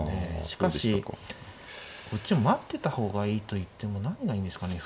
しかしこっちも待ってた方がいいといっても何がいいんですかね。